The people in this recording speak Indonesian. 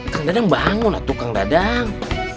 kang dadang bangun lah tukang dadang